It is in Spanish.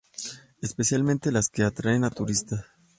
Especialmente las que atraen a turistas.